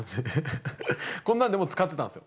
こんなんでも使ってたんです。